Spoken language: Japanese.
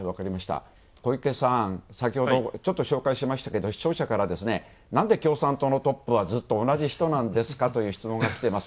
小池さん、先ほどちょっと紹介しましたけど、視聴者から、なんで共産党のトップはずっと同じ人なんですか？という質問がきています。